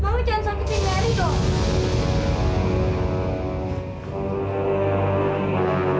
mama jangan sakiti nari dong